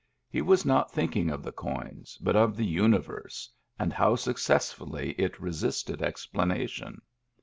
He was not thinking of the coins, but of the Universe, and how successfully it resisted explanation.